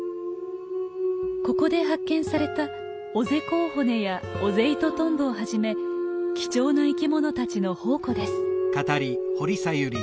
ここで発見されたオゼコウホネやオゼイトトンボをはじめ貴重な生き物たちの宝庫です。